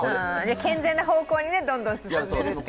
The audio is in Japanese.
健全な方向にどんどん進んでるっていうね。